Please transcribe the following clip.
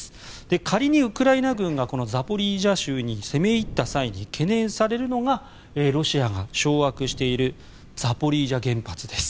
仮にウクライナ軍がザポリージャ州に攻め入った際に懸念されるのがロシアが掌握しているザポリージャ原発です。